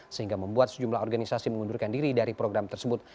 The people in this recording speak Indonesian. sehingga membuat sejumlah organisasi mengundurkan diri dari program tersebut